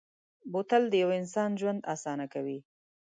بوتل د یو انسان ژوند اسانه کوي.